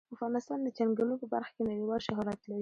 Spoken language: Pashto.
افغانستان د چنګلونه په برخه کې نړیوال شهرت لري.